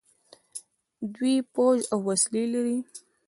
دوی پوځ او وسلې لري.